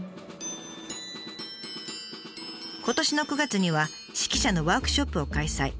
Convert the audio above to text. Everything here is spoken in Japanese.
今年の９月には指揮者のワークショップを開催。